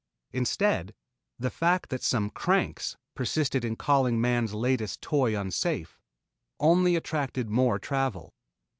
Instead, the fact that some "cranks" persisted in calling man's latest toy unsafe, only attracted more travel.